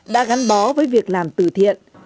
đã gắn bó với việc làm tử thiện